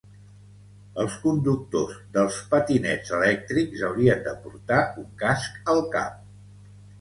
Els conductors dels patinets electrics haurien de portar un casc al cap